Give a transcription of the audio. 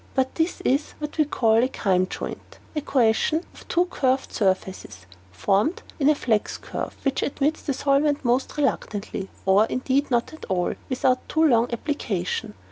But this is what we call a cyme joint, a cohesion of two curved surfaces, formed in a reflex curve which admits the solvent most reluctantly, or, indeed, not at all, without too long application.